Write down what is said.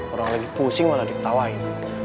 orang lagi pusing malah diketawain